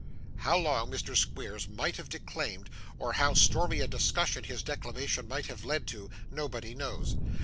How long Mr. Squeers might have declaimed, or how stormy a discussion his declamation might have led to, nobody knows.